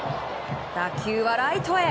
打球はライトへ！